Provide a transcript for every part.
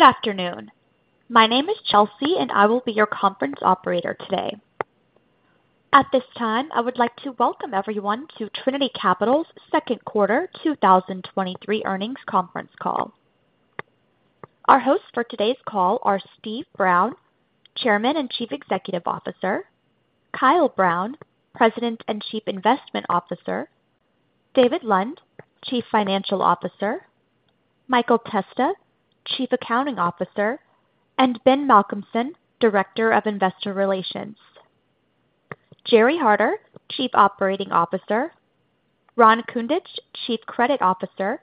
Good afternoon. My name is Chelsea, I will be your conference operator today. At this time, I would like to welcome everyone to Trinity Capital's second quarter 2023 earnings conference call. Our hosts for today's call are Steve Brown, Chairman and Chief Executive Officer; Kyle Brown, President and Chief Investment Officer, David Lund, Chief Financial Officer, Michael Testa, Chief Accounting Officer, and Ben Malcolmson, Director of Investor Relations. Jerry Harter, Chief Operating Officer, Ron Kundrat, Chief Credit Officer,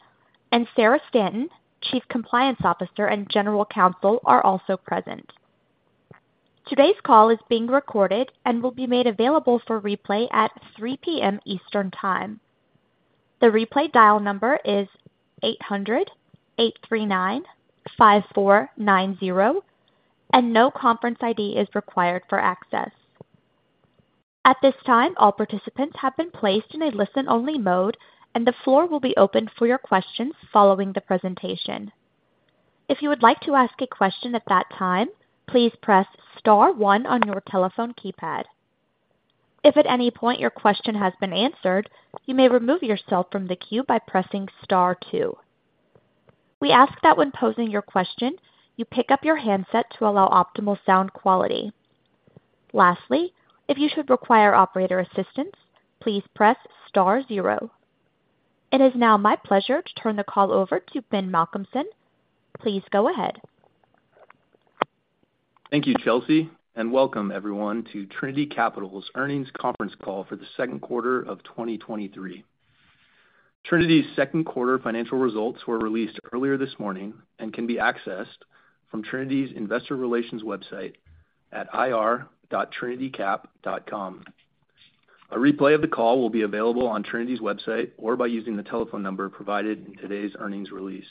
and Sarah Stanton, Chief Compliance Officer and General Counsel, are also present. Today's call is being recorded and will be made available for replay at 3:00 P.M. Eastern Time. The replay dial number is 800-839-5490, no conference ID is required for access. At this time, all participants have been placed in a listen-only mode, and the floor will be opened for your questions following the presentation. If you would like to ask a question at that time, please press star one on your telephone keypad. If at any point your question has been answered, you may remove yourself from the queue by pressing star two. We ask that when posing your question, you pick up your handset to allow optimal sound quality. Lastly, if you should require operator assistance, please press star zero. It is now my pleasure to turn the call over to Ben Malcolmson. Please go ahead. Thank you, Chelsea, and welcome everyone to Trinity Capital's earnings conference call for the second quarter of 2023. Trinity's second quarter financial results were released earlier this morning and can be accessed from Trinity's investor relations website at ir.trinitycap.com. A replay of the call will be available on Trinity's website or by using the telephone number provided in today's earnings release.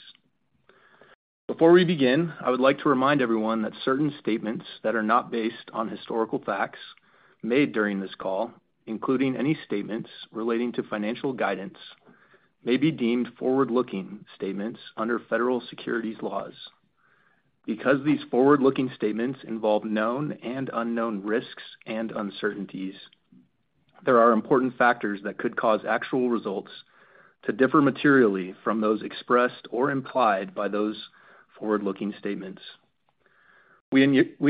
Before we begin, I would like to remind everyone that certain statements that are not based on historical facts made during this call, including any statements relating to financial guidance, may be deemed forward-looking statements under federal securities laws. Because these forward-looking statements involve known and unknown risks and uncertainties, there are important factors that could cause actual results to differ materially from those expressed or implied by those forward-looking statements. We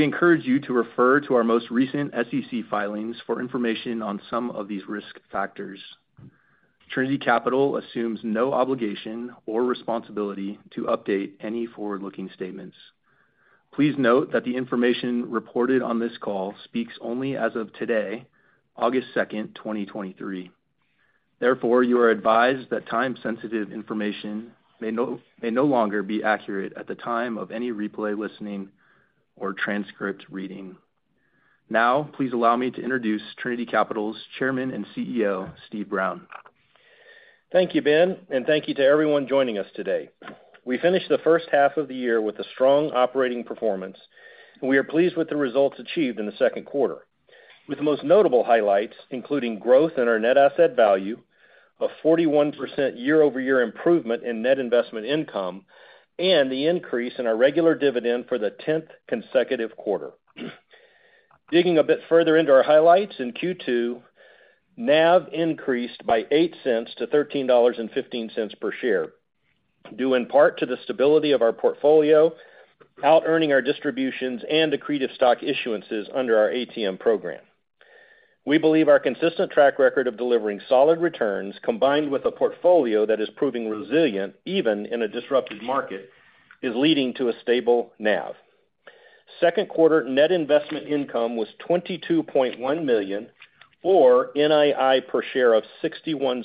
encourage you to refer to our most recent SEC filings for information on some of these risk factors. Trinity Capital assumes no obligation or responsibility to update any forward-looking statements. Please note that the information reported on this call speaks only as of today, August 2, 2023. Therefore, you are advised that time-sensitive information may no longer be accurate at the time of any replay listening or transcript reading. Now, please allow me to introduce Trinity Capital's Chairman and CEO, Steve Brown. Thank you, Ben Malcolmson, and thank you to everyone joining us today. We finished the first half of the year with a strong operating performance, and we are pleased with the results achieved in the second quarter, with the most notable highlights, including growth in our net asset value of 41% year-over-year improvement in net investment income, and the increase in our regular dividend for the tenth consecutive quarter. Digging a bit further into our highlights, in Q2, NAV increased by $0.08 to $13.15 per share, due in part to the stability of our portfolio, outearning our distributions and accretive stock issuances under our ATM program. We believe our consistent track record of delivering solid returns, combined with a portfolio that is proving resilient even in a disrupted market, is leading to a stable NAV. Second quarter net investment income was $22.1 million or NII per share of $0.61,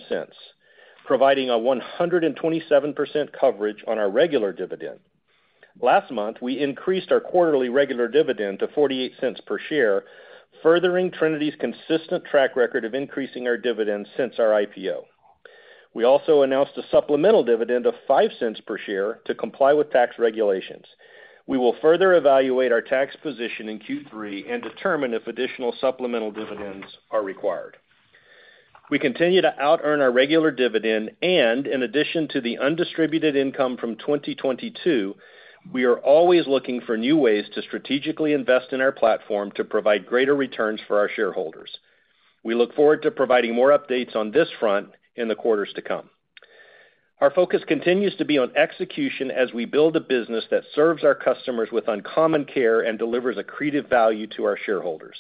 providing a 127% coverage on our regular dividend. Last month, we increased our quarterly regular dividend to $0.48 per share, furthering Trinity's consistent track record of increasing our dividends since our IPO. We also announced a supplemental dividend of $0.05 per share to comply with tax regulations. We will further evaluate our tax position in Q3 and determine if additional supplemental dividends are required. We continue to outearn our regular dividend. In addition to the undistributed income from 2022, we are always looking for new ways to strategically invest in our platform to provide greater returns for our shareholders. We look forward to providing more updates on this front in the quarters to come. Our focus continues to be on execution as we build a business that serves our customers with uncommon care and delivers accretive value to our shareholders.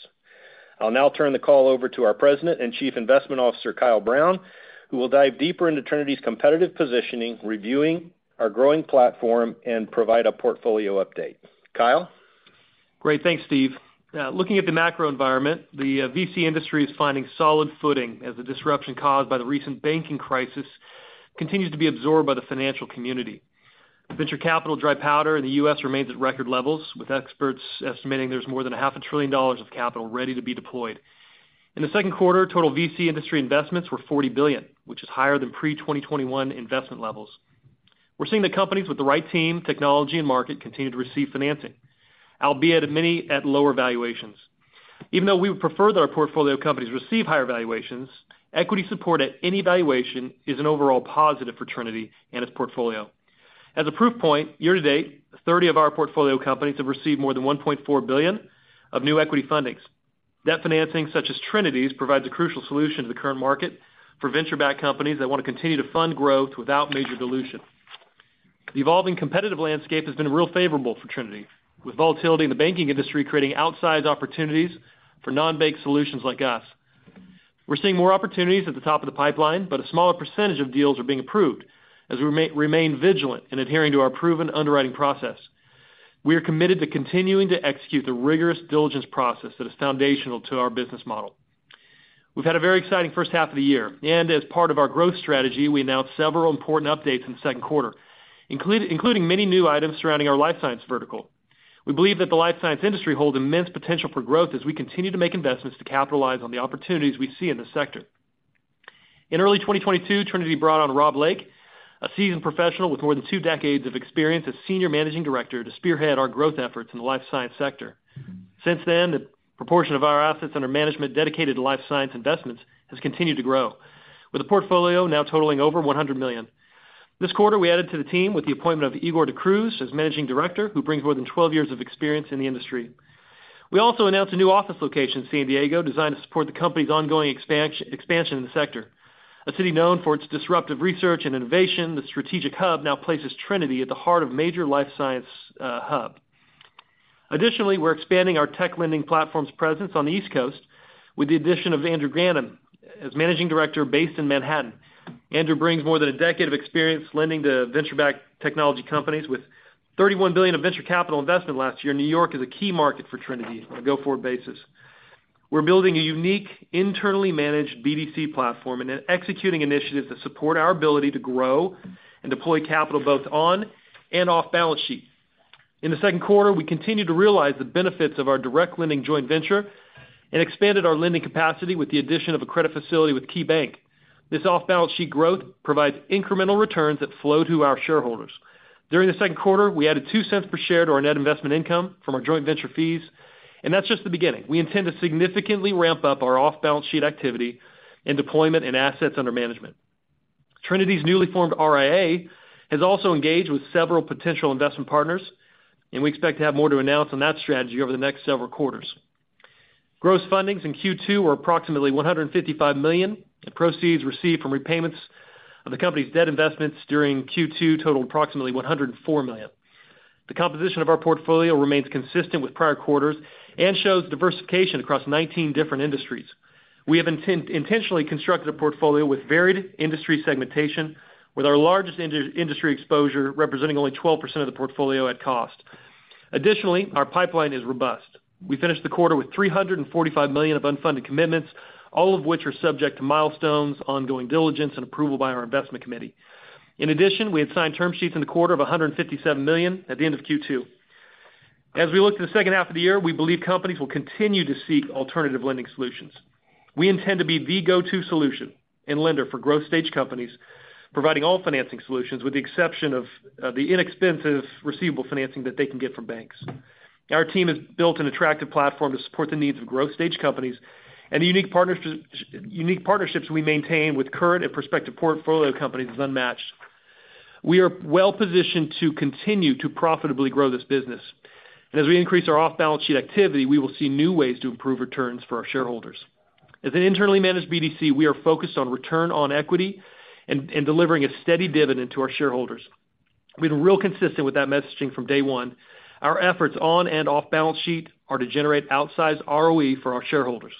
I'll now turn the call over to our President and Chief Investment Officer, Kyle Brown, who will dive deeper into Trinity's competitive positioning, reviewing our growing platform, and provide a portfolio update. Kyle? Great. Thanks, Steve. Looking at the macro environment, the VC industry is finding solid footing as the disruption caused by the recent banking crisis continues to be absorbed by the financial community. Venture capital dry powder in the US remains at record levels, with experts estimating there's more than $500 billion of capital ready to be deployed. In the second quarter, total VC industry investments were $40 billion, which is higher than pre-2021 investment levels. We're seeing the companies with the right team, technology, and market continue to receive financing.... albeit many at lower valuations. Even though we would prefer that our portfolio companies receive higher valuations, equity support at any valuation is an overall positive for Trinity and its portfolio. As a proof point, year to date, 30 of our portfolio companies have received more than $1.4 billion of new equity fundings. Debt financing, such as Trinity's, provides a crucial solution to the current market for venture-backed companies that want to continue to fund growth without major dilution. The evolving competitive landscape has been real favorable for Trinity, with volatility in the banking industry creating outsized opportunities for non-bank solutions like us. We're seeing more opportunities at the top of the pipeline, but a smaller percentage of deals are being approved as we remain vigilant in adhering to our proven underwriting process. We are committed to continuing to execute the rigorous diligence process that is foundational to our business model. As part of our growth strategy, we announced several important updates in the second quarter, including many new items surrounding our life science vertical. We believe that the life science industry holds immense potential for growth as we continue to make investments to capitalize on the opportunities we see in this sector. In early 2022, Trinity brought on Rob Lake, a seasoned professional with more than two decades of experience as senior managing director, to spearhead our growth efforts in the life science sector. Since then, the proportion of our assets under management dedicated to life science investments has continued to grow, with a portfolio now totaling over $100 million. This quarter, we added to the team with the appointment of Igor DaCruz as managing director, who brings more than 12 years of experience in the industry. We also announced a new office location in San Diego, designed to support the company's ongoing expansion in the sector. A city known for its disruptive research and innovation, the strategic hub now places Trinity at the heart of major life science hub. Additionally, we're expanding our tech lending platform's presence on the East Coast with the addition of Andrew Granum as managing director based in Manhattan. Andrew brings more than a decade of experience lending to venture-backed technology companies. With $31 billion of venture capital investment last year, New York is a key market for Trinity on a go-forward basis. We're building a unique, internally managed BDC platform and then executing initiatives that support our ability to grow and deploy capital both on and off balance sheet. In the second quarter, we continued to realize the benefits of our direct lending joint venture and expanded our lending capacity with the addition of a credit facility with KeyBank. This off-balance sheet growth provides incremental returns that flow to our shareholders. During the second quarter, we added $0.02 per share to our net investment income from our joint venture fees, and that's just the beginning. We intend to significantly ramp up our off-balance sheet activity and deployment in assets under management. Trinity's newly formed RIA has also engaged with several potential investment partners, and we expect to have more to announce on that strategy over the next several quarters. Gross fundings in Q2 were approximately $155 million, and proceeds received from repayments of the company's debt investments during Q2 totaled approximately $104 million. The composition of our portfolio remains consistent with prior quarters and shows diversification across 19 different industries. We have intentionally constructed a portfolio with varied industry segmentation, with our largest industry exposure representing only 12% of the portfolio at cost. Additionally, our pipeline is robust. We finished the quarter with $345 million of unfunded commitments, all of which are subject to milestones, ongoing diligence, and approval by our investment committee. In addition, we had signed term sheets in the quarter of $157 million at the end of Q2. As we look to the second half of the year, we believe companies will continue to seek alternative lending solutions. We intend to be the go-to solution and lender for growth stage companies, providing all financing solutions, with the exception of the inexpensive receivable financing that they can get from banks. Our team has built an attractive platform to support the needs of growth stage companies, and the unique partnerships we maintain with current and prospective portfolio companies is unmatched. We are well positioned to continue to profitably grow this business, and as we increase our off-balance sheet activity, we will see new ways to improve returns for our shareholders. As an internally managed BDC, we are focused on return on equity and delivering a steady dividend to our shareholders. We've been real consistent with that messaging from day one. Our efforts on and off balance sheet are to generate outsized ROE for our shareholders.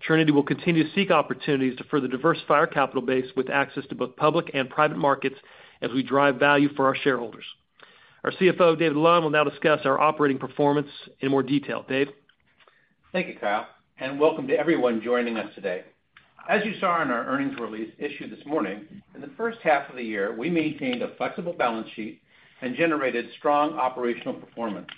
Trinity will continue to seek opportunities to further diversify our capital base with access to both public and private markets as we drive value for our shareholders. Our CFO, David Lund, will now discuss our operating performance in more detail. Dave? Thank you, Kyle, and welcome to everyone joining us today. As you saw in our earnings release issued this morning, in the first half of the year, we maintained a flexible balance sheet and generated strong operational performance.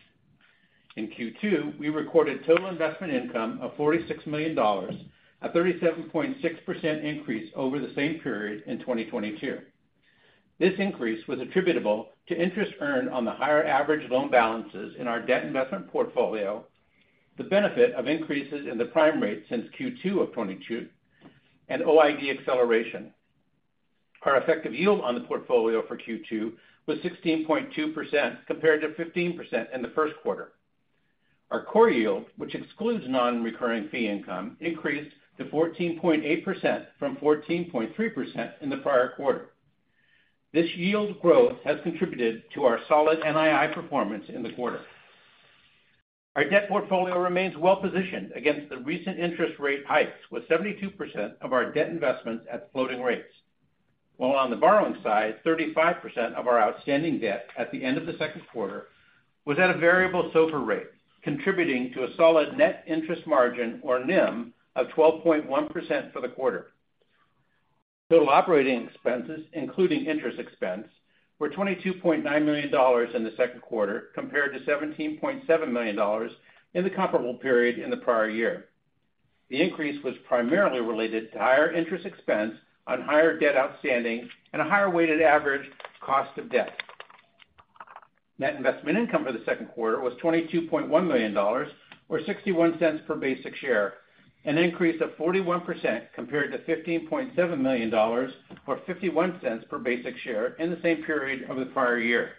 In Q2, we recorded total investment income of $46 million, a 37.6% increase over the same period in 2022. This increase was attributable to interest earned on the higher average loan balances in our debt investment portfolio, the benefit of increases in the prime rate since Q2 of 2022, and OID acceleration. Our effective yield on the portfolio for Q2 was 16.2%, compared to 15% in the first quarter. Our core yield, which excludes non-recurring fee income, increased to 14.8% from 14.3% in the prior quarter. This yield growth has contributed to our solid NII performance in the quarter. Our debt portfolio remains well positioned against the recent interest rate hikes, with 72% of our debt investments at floating rates. While on the borrowing side, 35% of our outstanding debt at the end of the second quarter was at a variable SOFR rate, contributing to a solid net interest margin, or NIM, of 12.1% for the quarter. Total operating expenses, including interest expense, were $22.9 million in the second quarter, compared to $17.7 million in the comparable period in the prior year. The increase was primarily related to higher interest expense on higher debt outstanding and a higher weighted average cost of debt. Net investment income for the second quarter was $22.1 million, or $0.61 per basic share, an increase of 41% compared to $15.7 million, or $0.51 per basic share in the same period of the prior year.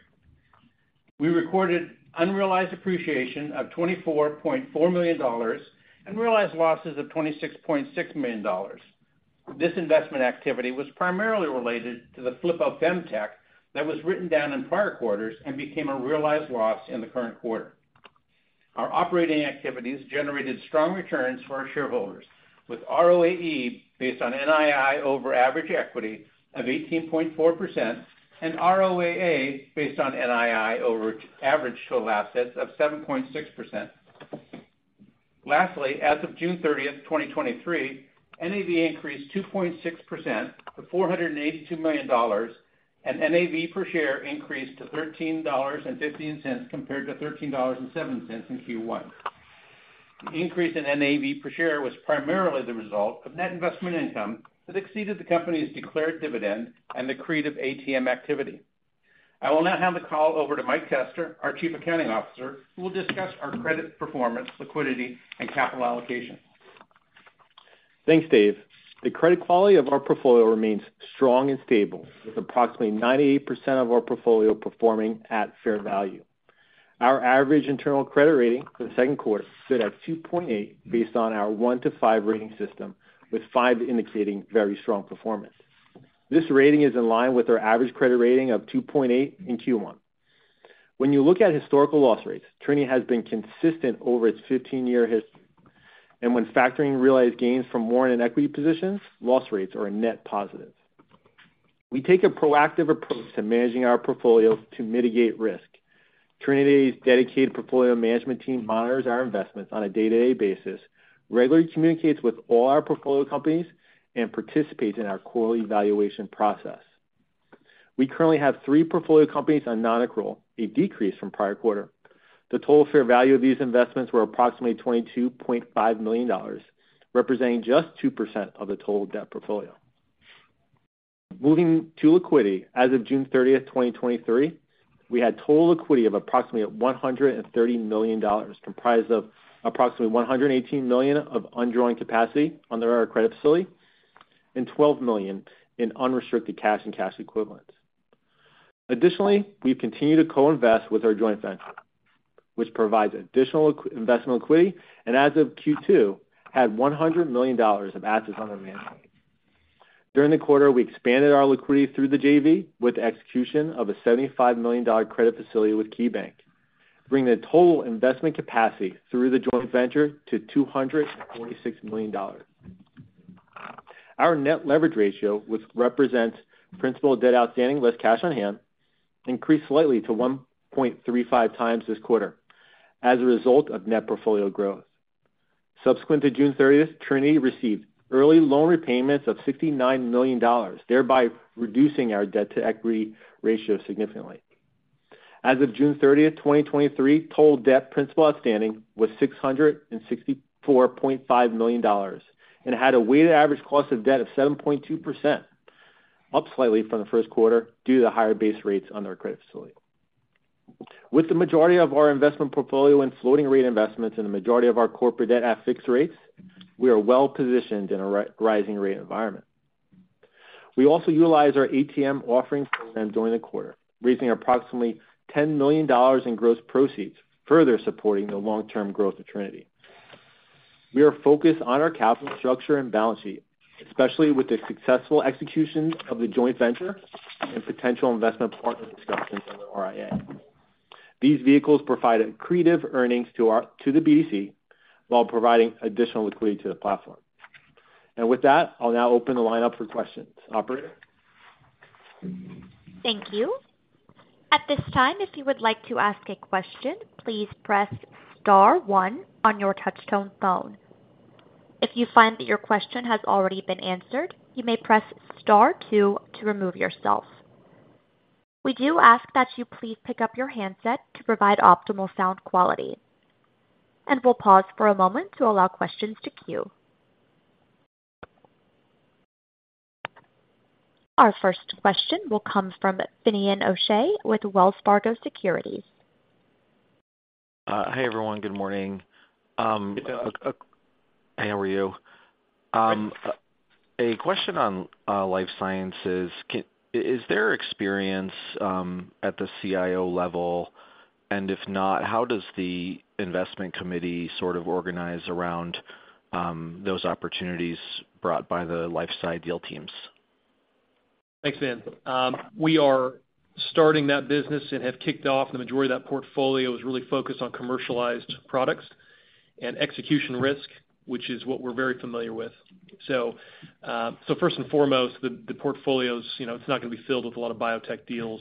We recorded unrealized appreciation of $24.4 million and realized losses of $26.6 million. This investment activity was primarily related to the flip of Bemtec that was written down in prior quarters and became a realized loss in the current quarter. Our operating activities generated strong returns for our shareholders, with ROAE based on NII over average equity of 18.4% and ROAA based on NII over average total assets of 7.6%. Lastly, as of June 30th, 2023, NAV increased 2.6% to $482 million, and NAV per share increased to $13.15 compared to $13.07 in Q1. The increase in NAV per share was primarily the result of net investment income that exceeded the company's declared dividend and accretive ATM activity. I will now hand the call over to Mike Kester, our Chief Accounting Officer, who will discuss our credit performance, liquidity, and capital allocation. Thanks, Dave. The credit quality of our portfolio remains strong and stable, with approximately 98% of our portfolio performing at fair value. Our average internal credit rating for the second quarter stood at 2.8 based on our 1 to 5 rating system, with 5 indicating very strong performance. This rating is in line with our average credit rating of 2.8 in Q1. When you look at historical loss rates, Trinity has been consistent over its 15-year history, and when factoring realized gains from warrant and equity positions, loss rates are a net positive. We take a proactive approach to managing our portfolios to mitigate risk. Trinity's dedicated portfolio management team monitors our investments on a day-to-day basis, regularly communicates with all our portfolio companies, and participates in our quarterly evaluation process. We currently have 3 portfolio companies on nonaccrual, a decrease from prior quarter. The total fair value of these investments were approximately $22.5 million, representing just 2% of the total debt portfolio. Moving to liquidity, as of June 30, 2023, we had total liquidity of approximately $130 million, comprised of approximately $118 million of undrawing capacity under our credit facility and $12 million in unrestricted cash and cash equivalents. Additionally, we've continued to co-invest with our joint venture, which provides additional investment liquidity, and as of Q2, had $100 million of assets under management. During the quarter, we expanded our liquidity through the JV with the execution of a $75 million credit facility with KeyBank, bringing the total investment capacity through the joint venture to $246 million. Our net leverage ratio, which represents principal debt outstanding less cash on hand, increased slightly to 1.35 times this quarter as a result of net portfolio growth. Subsequent to June 30th, Trinity received early loan repayments of $69 million, thereby reducing our debt-to-equity ratio significantly. As of June 30th, 2023, total debt principal outstanding was $664.5 million and had a weighted average cost of debt of 7.2%, up slightly from the first quarter due to the higher base rates on their credit facility. With the majority of our investment portfolio and floating rate investments and the majority of our corporate debt at fixed rates, we are well positioned in a rising rate environment. We also utilized our ATM offering program during the quarter, raising approximately $10 million in gross proceeds, further supporting the long-term growth of Trinity. We are focused on our capital structure and balance sheet, especially with the successful execution of the joint venture and potential investment partner discussions under RIA. These vehicles provide accretive earnings to the BDC, while providing additional liquidity to the platform. With that, I'll now open the line up for questions. Operator? Thank you. At this time, if you would like to ask a question, please press star one on your touchtone phone. If you find that your question has already been answered, you may press star two to remove yourself. We do ask that you please pick up your handset to provide optimal sound quality, and we'll pause for a moment to allow questions to queue. Our first question will come from Finian O'Shea with Wells Fargo Securities. Hi, everyone. Good morning. Hi, how are you? A question on life sciences. Is there experience at the CIO level? If not, how does the investment committee sort of organize around those opportunities brought by the life sci deal teams? Thanks, Fin. We are starting that business and have kicked off. The majority of that portfolio is really focused on commercialized products and execution risk, which is what we're very familiar with. First and foremost, the, the portfolio's, you know, it's not going to be filled with a lot of biotech deals.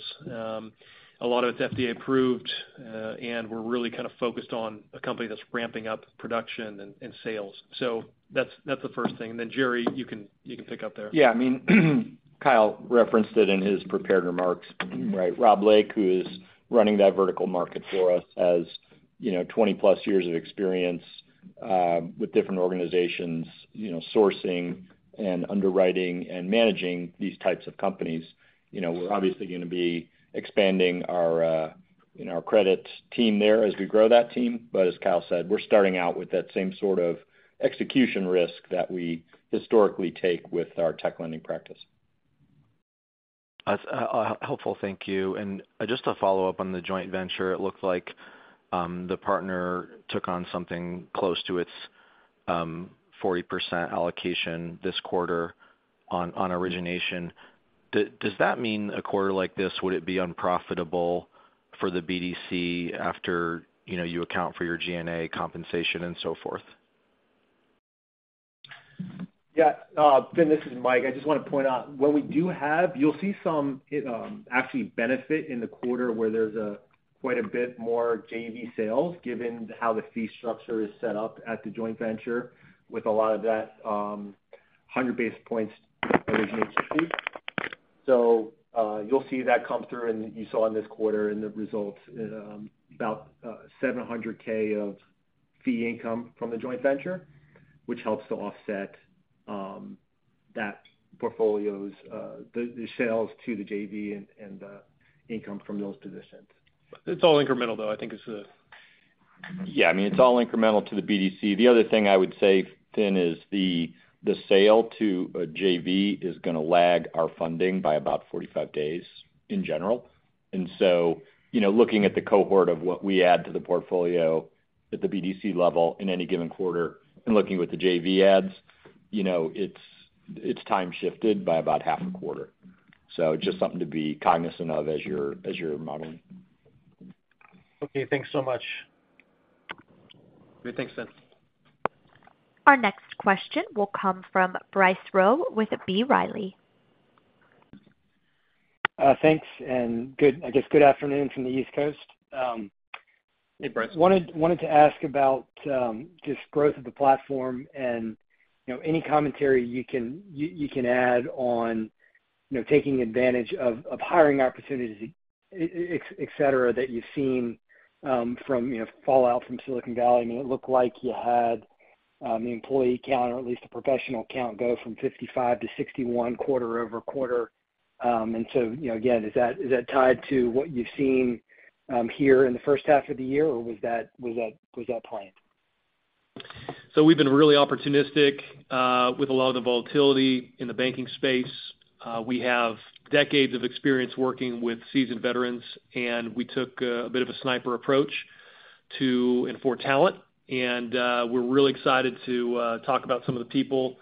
A lot of it's FDA approved, and we're really kind of focused on a company that's ramping up production and, and sales. That's, that's the first thing. Then, Jerry, you can, you can pick up there. Yeah, I mean,... Kyle referenced it in his prepared remarks, right? Rob Lake, who is running that vertical market for us, has, you know, 20-plus years of experience, with different organizations, you know, sourcing and underwriting and managing these types of companies. You know, we're obviously going to be expanding our, you know, our credit team there as we grow that team. As Kyle said, we're starting out with that same sort of execution risk that we historically take with our tech lending practice. That's helpful. Thank you. Just to follow up on the joint venture, it looked like the partner took on something close to its 40% allocation this quarter on origination. Does that mean a quarter like this, would it be unprofitable for the BDC after, you know, you account for your GNA compensation and so forth? Yeah, Finn, this is Mike. I just want to point out, what we do have, you'll see some, actually benefit in the quarter where there's a quite a bit more JV sales, given how the fee structure is set up at the joint venture with a lot of that, 100 basis points origination fee. You'll see that come through, and you saw in this quarter in the results, about $700K of fee income from the joint venture, which helps to offset that portfolio's, the, the sales to the JV and, and the income from those positions. It's all incremental, though. I think it's. Yeah, I mean, it's all incremental to the BDC. The other thing I would say, Finn, is the, the sale to a JV is going to lag our funding by about 45 days in general. You know, looking at the cohort of what we add to the portfolio at the BDC level in any given quarter and looking what the JV adds, you know, it's, it's time shifted by about half a quarter. Just something to be cognizant of as you're, as you're modeling. Okay, thanks so much. Great. Thanks, Fin. Our next question will come from Bryce Roe with B. Riley. thanks, and good, I guess, good afternoon from the East Coast. Hey, Bryce. Wanted, wanted to ask about, just growth of the platform and, you know, any commentary you can, you can add on, you know, taking advantage of, of hiring opportunities, et cetera, that you've seen, from, you know, fallout from Silicon Valley. I mean, it looked like you had, the employee count, or at least the professional count, go from 55 to 61 quarter-over-quarter. And so, you know, again, is that, is that tied to what you've seen, here in the first half of the year, or was that, was that, was that planned? We've been really opportunistic with a lot of the volatility in the banking space. We have decades of experience working with seasoned veterans, and we took a bit of a sniper approach to and for talent. We're really excited to talk about some of the people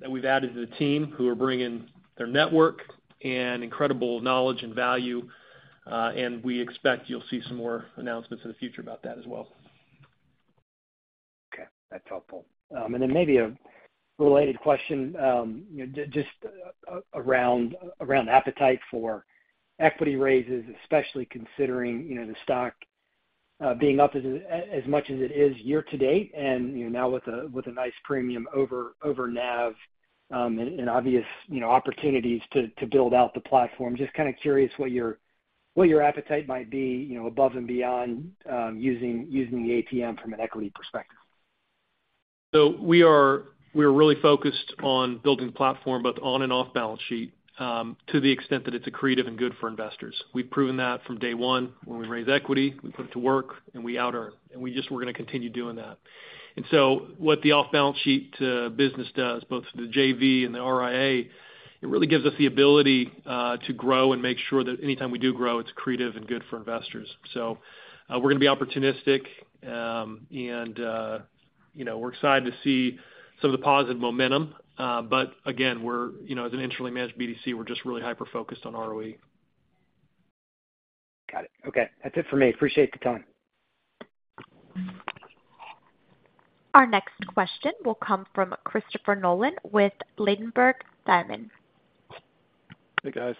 that we've added to the team who are bringing their network and incredible knowledge and value, and we expect you'll see some more announcements in the future about that as well. Okay, that's helpful. Then maybe a related question, you know, just, around, around appetite for equity raises, especially considering, you know, the stock, being up as, as much as it is year to date, and, you know, now with a, with a nice premium over, over NAV, and, and obvious, you know, opportunities to, to build out the platform. Just kind of curious what your, what your appetite might be, you know, above and beyond, using, using the ATM from an equity perspective. We are -- we're really focused on building the platform, both on and off balance sheet, to the extent that it's accretive and good for investors. We've proven that from day one. When we raise equity, we put it to work, and we outearn, and we just, we're going to continue doing that. What the off-balance sheet business does, both the JV and the RIA, it really gives us the ability to grow and make sure that anytime we do grow, it's accretive and good for investors. We're going to be opportunistic, and, you know, we're excited to see some of the positive momentum. But again, we're, you know, as an internally managed BDC, we're just really hyper-focused on ROE. Got it. Okay. That's it for me. Appreciate the time. Our next question will come from Christopher Nolan with Ladenburg Thalmann. Hey, guys.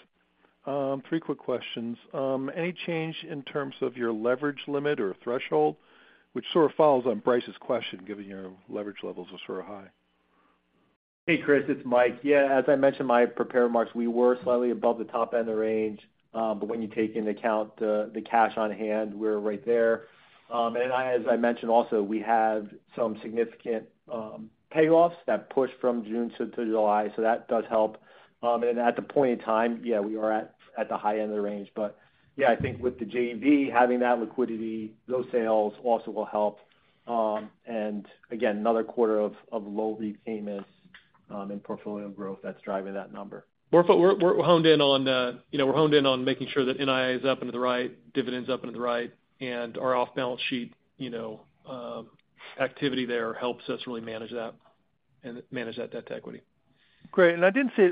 3 quick questions. Any change in terms of your leverage limit or threshold, which sort of follows on Bryce's question, given your leverage levels are sort of high? Hey, Chris, it's Mike. As I mentioned in my prepared remarks, we were slightly above the top end of the range. When you take into account the cash on hand, we're right there. As I mentioned also, we have some significant payoffs that push from June to July. That does help. At the point in time, we are at the high end of the range. I think with the JV, having that liquidity, those sales also will help. Again, another quarter of low repayments and portfolio growth that's driving that number. We're, we're, we're honed in on, you know, we're honed in on making sure that NII is up and to the right, dividends up and to the right, and our off-balance sheet, you know, activity there helps us really manage that and manage that debt to equity. Great. I did see,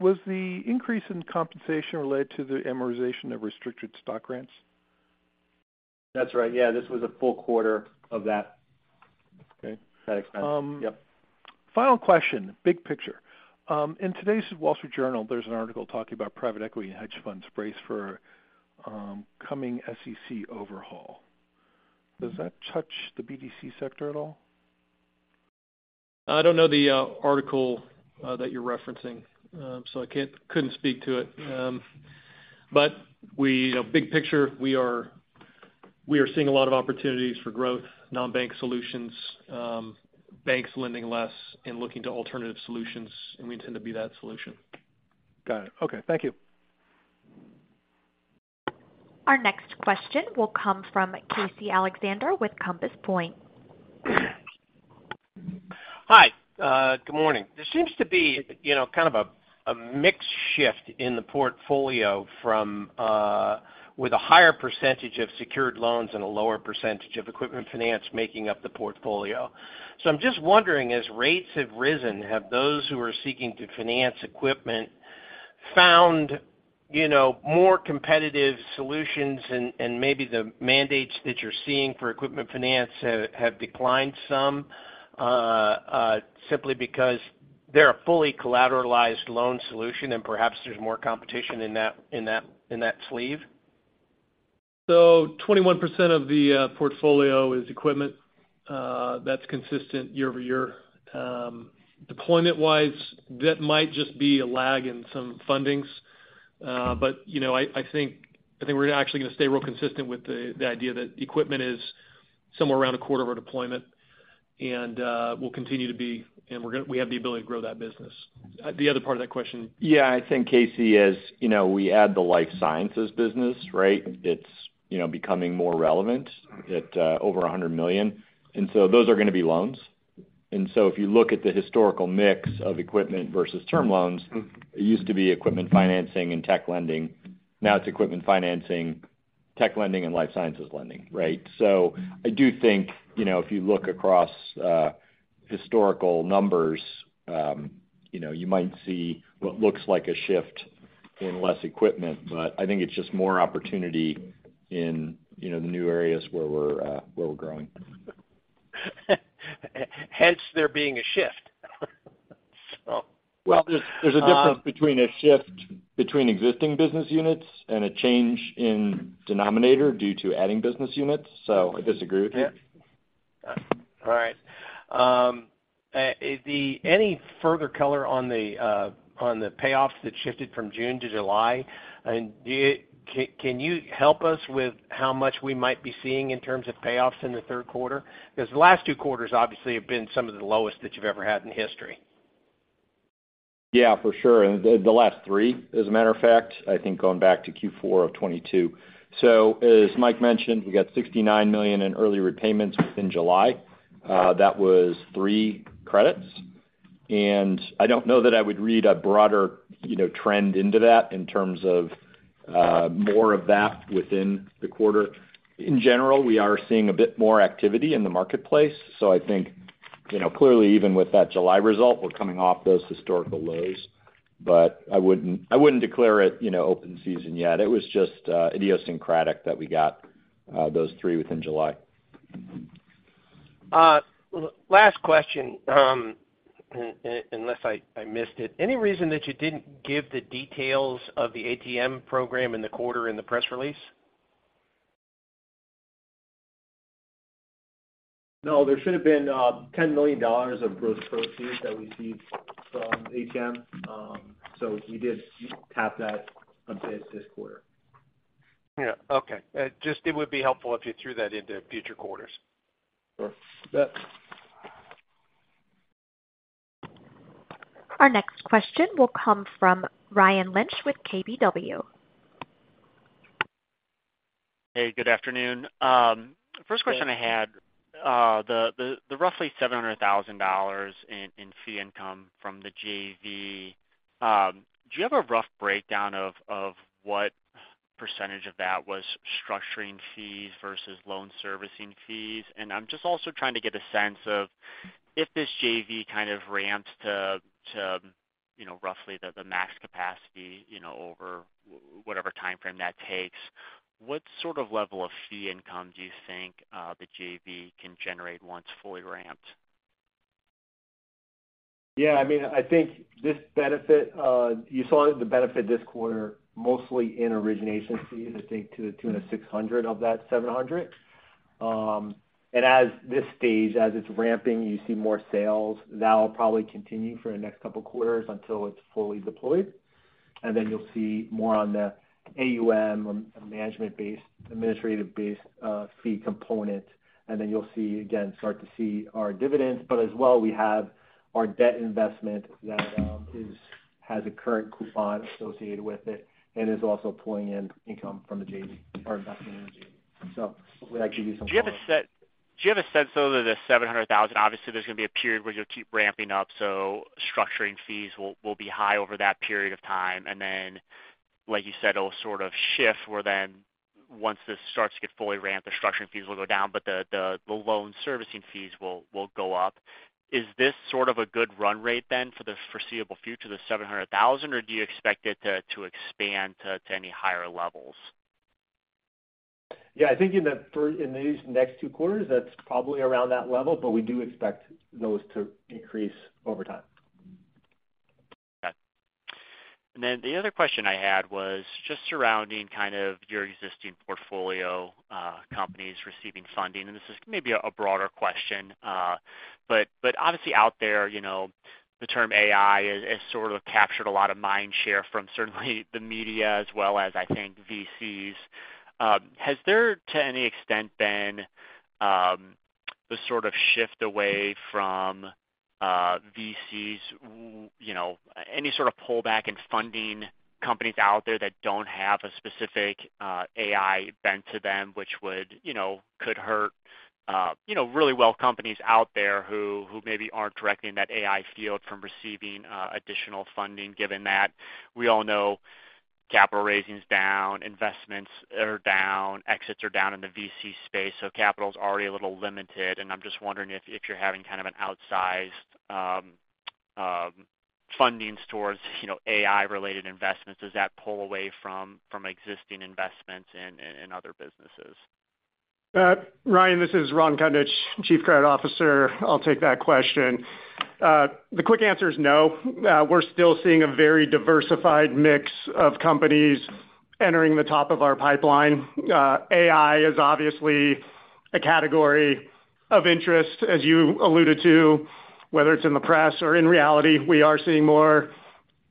was the increase in compensation related to the amortization of restricted stock grants? That's right. Yeah, this was a full quarter of that. Okay. That expense. Yep. Final question, big picture. In today's Wall Street Journal, there's an article talking about private equity and hedge funds brace for, coming SEC overhaul. Does that touch the BDC sector at all? I don't know the article that you're referencing, so I couldn't speak to it. We, you know, big picture, we are, we are seeing a lot of opportunities for growth, non-bank solutions, banks lending less and looking to alternative solutions, and we intend to be that solution. Got it. Okay, thank you. Our next question will come from Casey Alexander with Compass Point. Hi, good morning. There seems to be, you know, kind of a, a mixed shift in the portfolio from, with a higher % of secured loans and a lower % of equipment finance making up the portfolio. I'm just wondering, as rates have risen, have those who are seeking to finance equipment found, you know, more competitive solutions and, and maybe the mandates that you're seeing for equipment finance have, have declined some, simply because they're a fully collateralized loan solution, and perhaps there's more competition in that, in that, in that sleeve? 21% of the portfolio is equipment. That's consistent year-over-year. Deployment-wise, that might just be a lag in some fundings. But, you know, I, I think, I think we're actually gonna stay real consistent with the, the idea that equipment is somewhere around a quarter of our deployment, and we'll continue to be, and we're gonna-- we have the ability to grow that business. The other part of that question? Yeah, I think, Casey, as, you know, we add the life sciences business, right? It's, you know, becoming more relevant at over $100 million. Those are gonna be loans. If you look at the historical mix of equipment versus term loans, it used to be equipment financing and tech lending. Now it's equipment financing, tech lending, and life sciences lending, right? I do think, you know, if you look across historical numbers, you know, you might see what looks like a shift in less equipment, but I think it's just more opportunity in, you know, the new areas where we're where we're growing. Hence, there being a shift. Well, there's a difference between a shift between existing business units and a change in denominator due to adding business units, so I disagree with you. All right. Any further color on the on the payoffs that shifted from June to July? Can you help us with how much we might be seeing in terms of payoffs in the third quarter? Because the last two quarters obviously have been some of the lowest that you've ever had in history. Yeah, for sure. The, the last three, as a matter of fact, I think going back to Q4 of 2022. As Mike mentioned, we got $69 million in early repayments in July. That was three credits, and I don't know that I would read a broader, you know, trend into that in terms of, more of that within the quarter. In general, we are seeing a bit more activity in the marketplace, I think, you know, clearly, even with that July result, we're coming off those historical lows. I wouldn't, I wouldn't declare it, you know, open season yet. It was just, idiosyncratic that we got, those three within July. Last question, unless I missed it. Any reason that you didn't give the details of the ATM program in the quarter in the press release? No, there should have been, $10 million of gross proceeds that we received from ATM. We did tap that this, this quarter. Yeah. Okay. Just it would be helpful if you threw that into future quarters. Sure. Yep. Our next question will come from Ryan Lynch with KBW. Hey, good afternoon. First question I had, the, the, the roughly $700,000 in, in fee income from the JV, do you have a rough breakdown of, of what % of that was structuring fees versus loan servicing fees? I'm just also trying to get a sense of, if this JV kind of ramps to, to, you know, roughly the, the max capacity, you know, over whatever time frame that takes, what sort of level of fee income do you think the JV can generate once fully ramped? Yeah, I mean, I think this benefit, you saw the benefit this quarter, mostly in origination fees, I think, to the tune of $600 of that $700. As this stage, as it's ramping, you see more sales. That'll probably continue for the next couple of quarters until it's fully deployed. Then you'll see more on the AUM and management-based, administrative-based, fee component. Then you'll see, again, start to see our dividends. As well, we have our debt investment that is, has a current coupon associated with it and is also pulling in income from the JV, or investing in the JV. We'd like to give you some more- Do you have a sense, though, that the $700,000, obviously, there's gonna be a period where you'll keep ramping up, so structuring fees will, will be high over that period of time. Then, like you said, it'll sort of shift, where then once this starts to get fully ramped, the structuring fees will go down, but the, the, the loan servicing fees will, will go up. Is this sort of a good run rate then for the foreseeable future, the $700,000, or do you expect it to, to expand to, to any higher levels? Yeah, I think in the in these next two quarters, that's probably around that level, but we do expect those to increase over time. The other question I had was just surrounding kind of your existing portfolio, companies receiving funding, and this is maybe a broader question. Obviously out there, you know, the term AI has, has sort of captured a lot of mind share from certainly the media as well as, I think, VCs. Has there, to any extent, been the sort of shift away from VCs? You know, any sort of pullback in funding companies out there that don't have a specific AI bent to them, which would, you know, could hurt, you know, really well companies out there who, who maybe aren't directly in that AI field from receiving additional funding, given that we all know capital raising is down, investments are down, exits are down in the VC space, capital's already a little limited. I'm just wondering if, if you're having kind of an outsized fundings towards, you know, AI-related investments. Does that pull away from, from existing investments in, in other businesses? Ryan, this is Ron Kundrat, Chief Credit Officer. I'll take that question. The quick answer is no. We're still seeing a very diversified mix of companies entering the top of our pipeline. AI is obviously a category of interest, as you alluded to, whether it's in the press or in reality, we are seeing more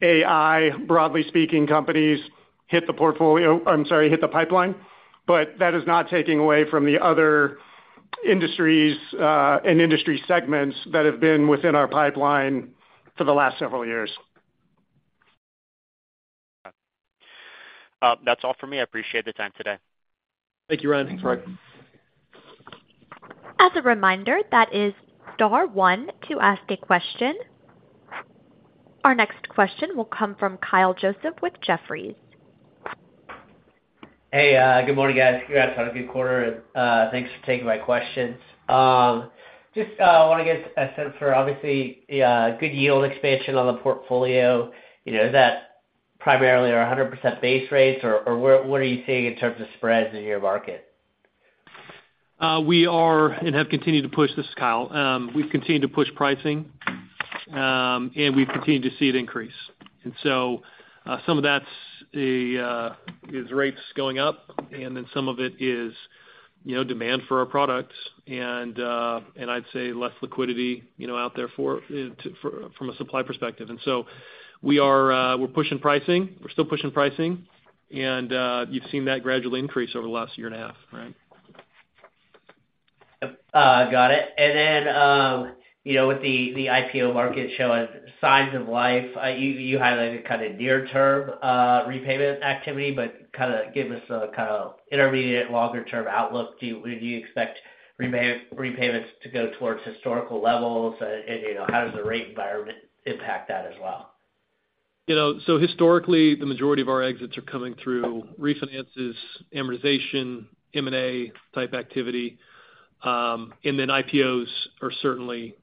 AI, broadly speaking, companies hit the portfolio... I'm sorry, hit the pipeline. That is not taking away from the other industries and industry segments that have been within our pipeline for the last several years. That's all for me. I appreciate the time today. Thank you, Ryan. Thanks, Ryan. As a reminder, that is star one to ask a question. Our next question will come from Kyle Joseph with Jefferies. Hey, good morning, guys. Congrats on a good quarter and, thanks for taking my questions. Just, I wanna get a sense for obviously, the good yield expansion on the portfolio. You know, is that primarily or 100% base rates or what are you seeing in terms of spreads in your market? We are and have continued to push this, Kyle. We've continued to push pricing, and we've continued to see it increase. Some of that's a, is rates going up, and then some of it is, you know, demand for our products and, and I'd say less liquidity, you know, out there for, to, for, from a supply perspective. We are, we're pushing pricing. We're still pushing pricing, and you've seen that gradually increase over the last year and a half, right? Got it. You know, with the IPO market showing signs of life, you, you highlighted kind of near term repayment activity, but kind of give us a kind of intermediate, longer term outlook? Would you expect repayments to go towards historical levels? You know, how does the rate environment impact that as well? You know, historically, the majority of our exits are coming through refinances, amortization, M&A type activity. IPOs are certainly,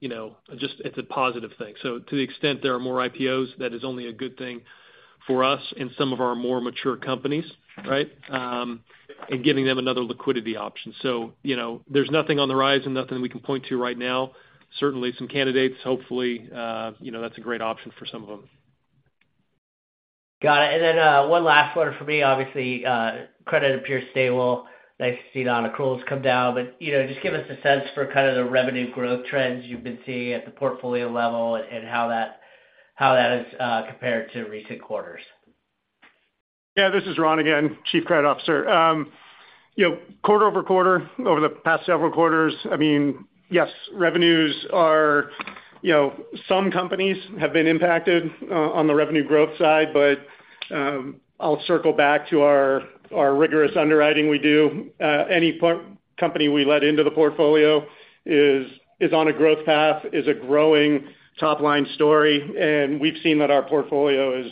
you know, just it's a positive thing. To the extent there are more IPOs, that is only a good thing for us and some of our more mature companies, right? Giving them another liquidity option. You know, there's nothing on the rise and nothing we can point to right now. Certainly, some candidates, hopefully, you know, that's a great option for some of them. Got it. Then, one last one for me, obviously, credit appears stable. Nice to see non-accruals come down, but, you know, just give us a sense for kind of the revenue growth trends you've been seeing at the portfolio level and, and how that, how that has compared to recent quarters. Yeah, this is Ron again, Chief Credit Officer. You know, quarter over quarter, over the past several quarters, I mean, yes, revenues are... You know, some companies have been impacted on the revenue growth side, but, I'll circle back to our, our rigorous underwriting we do. Any port- company we let into the portfolio is, is on a growth path, is a growing top-line story, and we've seen that our portfolio has,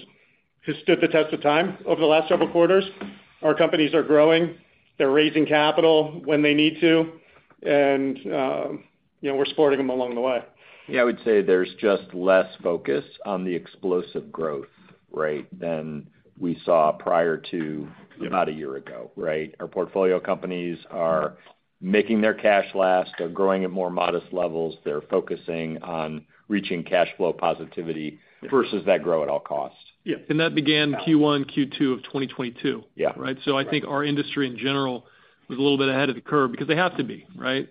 has stood the test of time over the last several quarters. Our companies are growing. They're raising capital when they need to, and, you know, we're supporting them along the way. Yeah, I would say there's just less focus on the explosive growth, right, than we saw prior to- Yeah - about a year ago, right? Our portfolio companies are making their cash last. They're growing at more modest levels. They're focusing on reaching cash flow positivity- Yeah versus that grow at all costs. Yeah, that began Q1, Q2 of 2022. Yeah. Right? I think our industry in general was a little bit ahead of the curve because they have to be, right?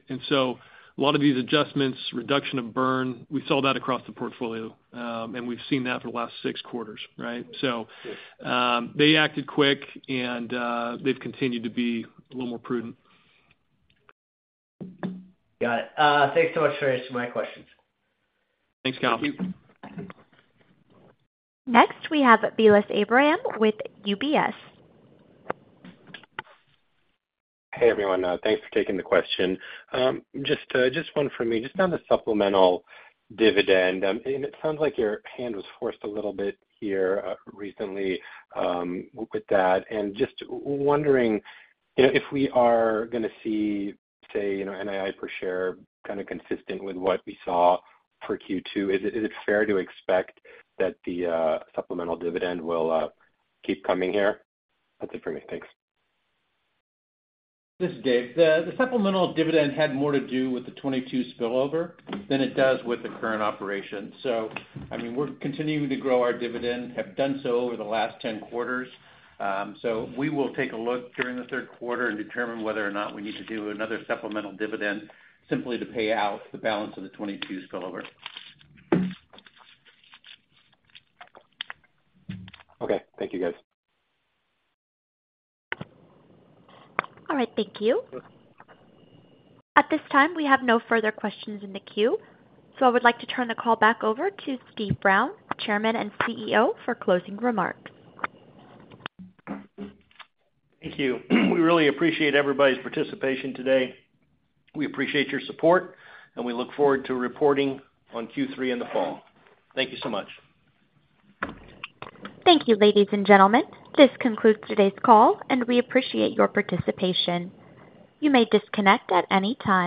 A lot of these adjustments, reduction of burn, we saw that across the portfolio, and we've seen that for the last six quarters, right? Yes... they acted quick, and, they've continued to be a little more prudent. Got it. Thanks so much for answering my questions. Thanks, Kyle. Thank you. Next, we have Vilas Abraham with UBS. Hey, everyone, thanks for taking the question. Just one for me, just on the supplemental dividend, and it sounds like your hand was forced a little bit here, recently, with that. Just wondering if we are gonna see, say, you know, NII per share, kind of consistent with what we saw for Q2, is it, is it fair to expect that the supplemental dividend will keep coming here? That's it for me. Thanks. This is Dave. The supplemental dividend had more to do with the 2022 spillover than it does with the current operation. I mean, we're continuing to grow our dividend, have done so over the last 10 quarters. We will take a look during the third quarter and determine whether or not we need to do another supplemental dividend, simply to pay out the balance of the 2022 spillover. Okay. Thank you, guys. All right. Thank you. At this time, we have no further questions in the queue, so I would like to turn the call back over to Steve Brown, Chairman and CEO, for closing remarks. Thank you. We really appreciate everybody's participation today. We appreciate your support, and we look forward to reporting on Q3 in the fall. Thank you so much. Thank you, ladies and gentlemen. This concludes today's call, and we appreciate your participation. You may disconnect at any time.